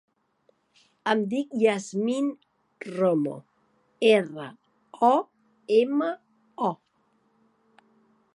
Em dic Yasmine Romo: erra, o, ema, o.